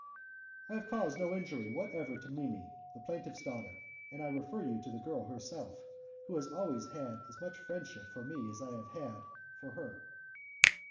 "I have caused no injury whatever to Mimi, the plaintiff's daughter, and I refer you to the girl herself, who has always had as much friendship for me as I have had for her."